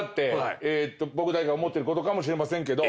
僕だけが思ってることかもしれませんけど。